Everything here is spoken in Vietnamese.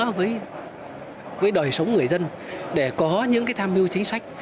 cần phải sát hơn nữa với đời sống người dân để có những tham mưu chính sách